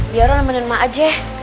biar lo nemenin mak aja ya